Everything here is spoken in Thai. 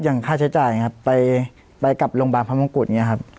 อย่างค่าใช้จ่ายเนี้ยครับไปไปกับโรงพยาบาลพระมงกุฎเนี้ยครับ